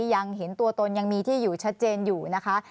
ยังเห็นตัวตนยังมีที่อยู่ชัดเจนอยู่นะคะ